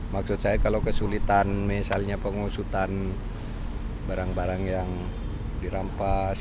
maksud saya kalau kesulitan misalnya pengusutan barang barang yang dirampas